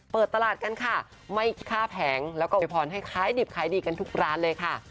เปิดตลาดกันค่ะไม่ค่าแผงแล้วก็โวยพรให้ขายดิบขายดีกันทุกร้านเลยค่ะ